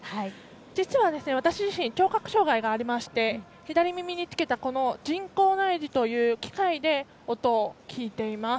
実は、私自身聴覚障がいがありまして左耳につけた人工内耳という機械で音を聞いています。